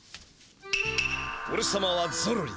おれ様はゾロリ。